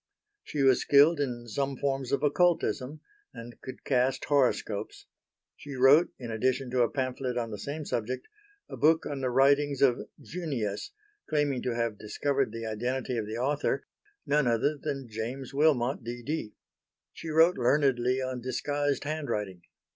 She was skilled in some forms of occultism, and could cast horoscopes; she wrote, in addition to a pamphlet on the same subject, a book on the writings of Junius, claiming to have discovered the identity of the author none other than James Wilmot D. D. She wrote learnedly on disguised handwriting.